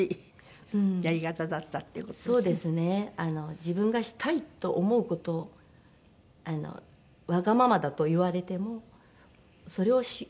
自分がしたいと思う事をわがままだと言われてもそれをやろうって。